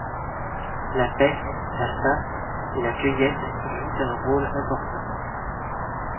La pêche, la chasse et la cueillette jouent un rôle important.